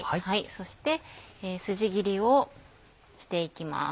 そして筋切りをしていきます。